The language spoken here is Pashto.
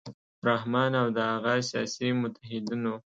رحمان او د هغه سیاسي متحدینو